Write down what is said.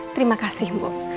terima kasih mbok